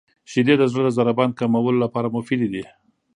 • شیدې د زړه د ضربان کمولو لپاره مفیدې دي.